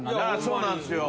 そうなんすよ。